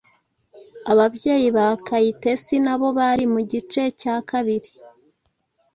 ababyeyi ba Kayitesi na bo bari mu gice cya kabiri.